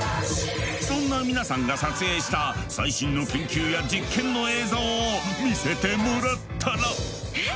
そんな皆さんが撮影した最新の研究や実験の映像を見せてもらったら。